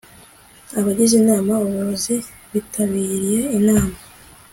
Abagize Inama y Ubuyobozi bitabiriye inama